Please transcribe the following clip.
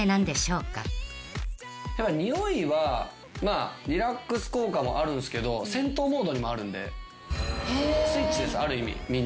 匂いはリラックス効果もあるんですけど戦闘モードにもあるんでスイッチですある意味みんな。